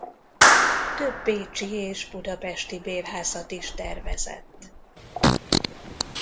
Több bécsi és budapesti bérházat is tervezett.